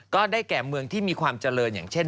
ก็ได้แก่เมืองที่มีความเจริญอย่างเช่น